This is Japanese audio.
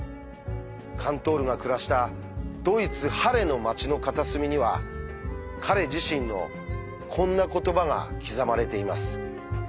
カントールが暮らしたドイツ・ハレの街の片隅には彼自身のこんな言葉が刻まれています。